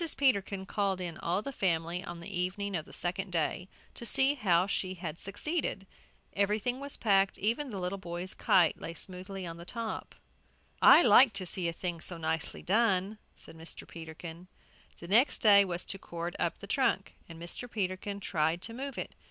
Peterkin called in all the family on the evening of the second day to see how she had succeeded. Everything was packed, even the little boys' kite lay smoothly on the top. "I like to see a thing so nicely done," said Mr. Peterkin. The next thing was to cord up the trunk, and Mr. Peterkin tried to move it.